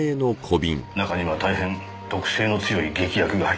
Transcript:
中には大変毒性の強い劇薬が入ってました。